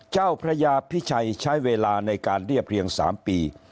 เจ้าพระยาพิชัยใช้เวลาในการเรียบเรียง๓ปี